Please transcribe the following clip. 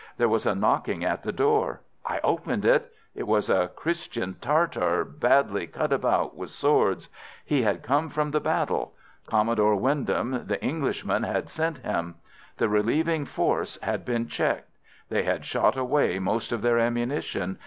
There was a knocking at the door. I opened it. It was a Christian Tartar, badly cut about with swords. He had come from the battle. Commodore Wyndham, the Englishman, had sent him. The relieving force had been checked. They had shot away most of their ammunition.